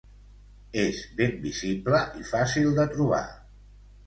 És ben visible i fàcil de trobar.